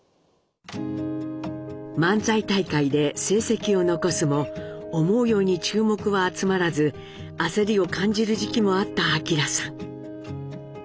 漫才大会で成績を残すも思うように注目は集まらず焦りを感じる時期もあった明さん。